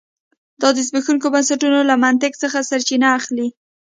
دا د زبېښونکو بنسټونو له منطق څخه سرچینه اخلي